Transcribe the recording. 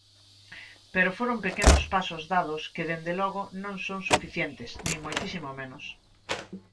Pero foron pequenos pasos dados que, dende logo, non son suficientes, nin moitísimo menos.